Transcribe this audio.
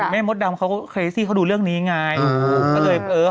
แม่มดดำเค้าดูเรื่องนี้ไง